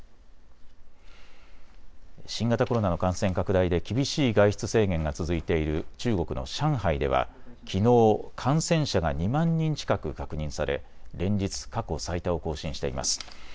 新型コロナの感染拡大で厳しい外出制限が続いている中国の上海では、きのう感染者が２万人近く確認され連日、過去最多を更新しています。